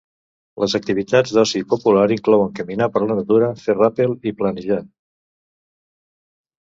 Les activitats d'oci popular inclouen caminar per la natura, fer ràpel i planejar.